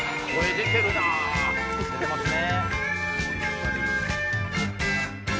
出てますね。